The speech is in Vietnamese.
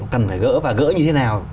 cần phải gỡ và gỡ như thế nào